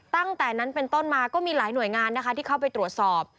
ตั้งแต่นั้นเป็นต้นมาก็มีหลายหน่วยงานนะคะที่เข้าไปตรวจสอบ